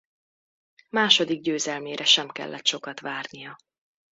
Második győzelmére sem kellett sokat várnia.